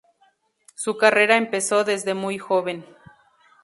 Su carrera empezó desde muy joven.